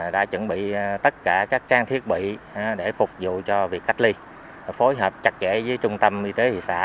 đã chuẩn bị tất cả các trang thiết bị để phục vụ cho việc cách ly phối hợp chặt chẽ với trung tâm y tế thị xã